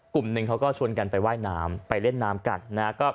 กลุ่มหนึ่งเขาก็ชวนกันไปว่ายน้ำไปเล่นน้ำกันนะครับ